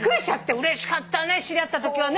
うれしかったね知り合ったときは。